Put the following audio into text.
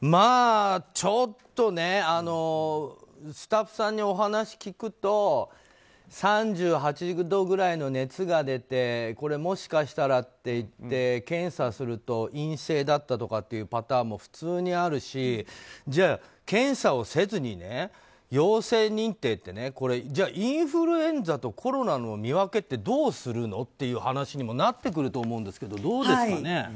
ちょっとスタッフさんにお話を聞くと３８度ぐらいの熱が出てもしかしたらっていって検査をすると陰性だったというパターンも普通にあるしじゃあ、検査をせずに陽性認定ってじゃあインフルエンザとコロナの見分けってどうするのって話にもなってくるんですけどどうなんですかね。